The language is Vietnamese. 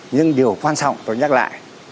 nhưng điều quan trọng tôi nhắc lại